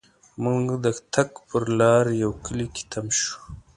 مونږ د تګ پر لار یوه کلي کې تم شوو.